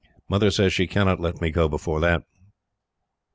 Mother says she cannot let me go before that."